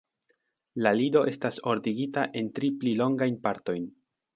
La lido estas ordigita en tri pli longajn partojn.